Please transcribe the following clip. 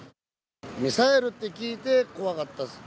ミサイルって聞いて、怖かったです。